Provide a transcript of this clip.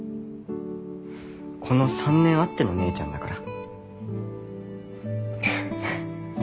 この３年あっての姉ちゃんだから。